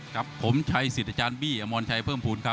หรือผมชัยสิรฐราจารย์บี้อมวลชัยเพิ่มภูณครับ